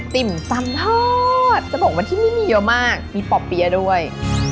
ติ่มซำทอดจะบอกว่าที่นี่มีเยอะมากมีป่อเปี๊ยะด้วย